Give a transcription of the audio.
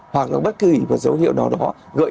hoặc là bất kỳ dấu hiệu nào đó gợi